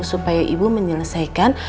supaya ibu menyelesaikan